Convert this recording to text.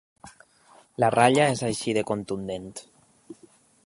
La ratlla és així de contundent.